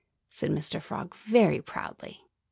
said Mr. Frog very proudly.